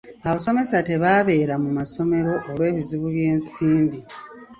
Abasomesa tebabeera mu masomero olw'ebizibu by'ensimbi.